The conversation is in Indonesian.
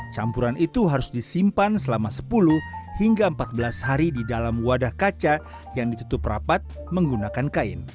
campuran itu harus disimpan selama sepuluh hingga empat belas hari di dalam wadah kaca yang ditutup rapat menggunakan kain